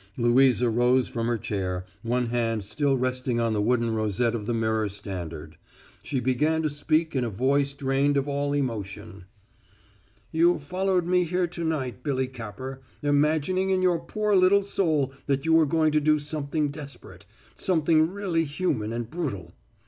Louisa rose from her chair, one hand still resting on the wooden rosette of the mirror standard. She began to speak in a voice drained of all emotion: "You followed me here to night, Billy Capper, imagining in your poor little soul that you were going to do something desperate something really human and brutal.